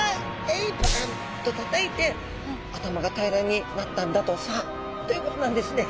えいっポカンとたたいて頭が平らになったんだとさということなんですね。